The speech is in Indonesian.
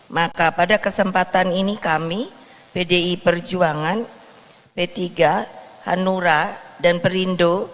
maka pada kesempatan ini kami pdi perjuangan p tiga hanura dan perindo